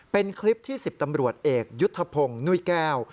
เป็นคลิปที่๑๐ตำรวจเอกยุทธพงศ์นุ้ยแก้ว